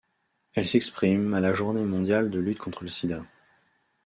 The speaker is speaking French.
Elle s'exprime à la Journée mondiale de lutte contre le sida.